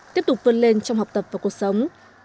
tiếp tục vươn lên trong học tập và cuộc sống